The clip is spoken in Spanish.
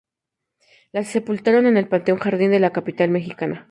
La sepultaron en el Panteón Jardín de la capital mexicana.